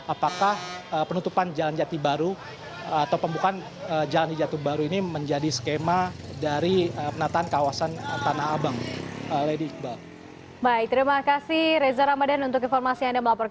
apakah penutupan jalan jati baru atau pembukaan jalan dijatuh baru ini menjadi skema dari penataan kawasan tanah abang